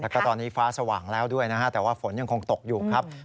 แล้วก็ตอนนี้ฟ้าสว่างแล้วด้วยนะฮะแต่ว่าฝนยังคงตกอยู่ครับ